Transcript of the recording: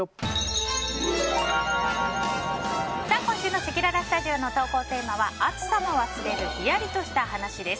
今週のせきららスタジオの投稿テーマは暑さも忘れるヒヤリとした話です。